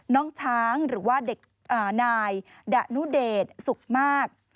น้องช้างหรือว่าเด็กนายดะนุเดชสุขมาก